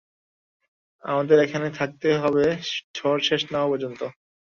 আমাদের এখানে থাকতে হবে ঝড় শেষ না হওয়া পর্যন্ত।